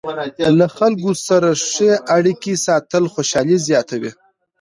له خلکو سره ښې اړیکې ساتل خوشحالي زیاتوي.